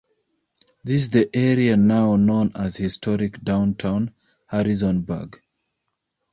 This is the area now known as Historic Downtown Harrisonburg.